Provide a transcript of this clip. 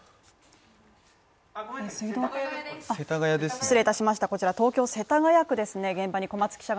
失礼いたしましたこちら、東京・世田谷区です。